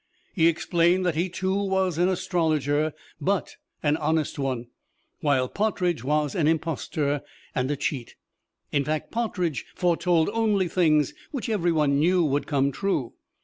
He explained that he, too, was an astrologer, but an honest one, while Partridge was an impostor and a cheat; in fact, Partridge foretold only things which every one knew would come true.